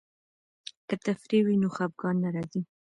که تفریح وي نو خفګان نه راځي.